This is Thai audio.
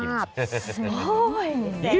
โอ้ยแสดง